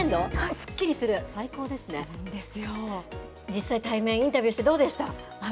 実際、対面インタビューして、どうでした？